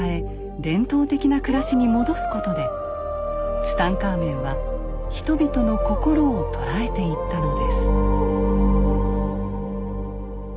伝統的な暮らしに戻すことでツタンカーメンは人々の心を捉えていったのです。